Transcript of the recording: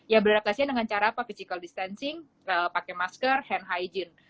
ya beradaptasian dengan cara apa physical distancing pakai masker hand hygiene